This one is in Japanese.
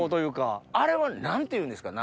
あれは何ていうんですか？